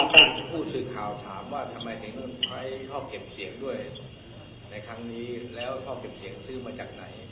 ผู้สื่อข่าวถามว่าทำไมถึงต้องใช้รอบเก็บเสียงด้วยในครั้งนี้แล้วรอบเก็บเสียงซื้อมาจากไหน